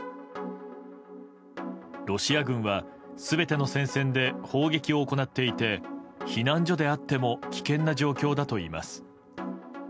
ロシア軍は全ての戦線で砲撃を行っていて避難所であっても危険な状況だといいます。